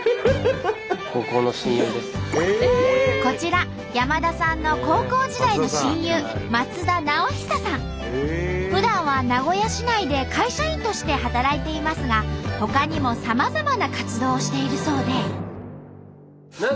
こちら山田さんの高校時代の親友ふだんは名古屋市内で会社員として働いていますがほかにもさまざまな活動をしているそうで。